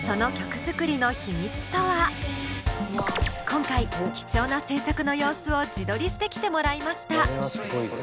今回貴重な制作の様子を自撮りしてきてもらいました。